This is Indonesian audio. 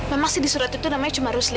memang sih di surat itu namanya cuma rusli